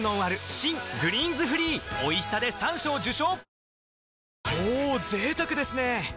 新「グリーンズフリー」おいしさで３賞受賞！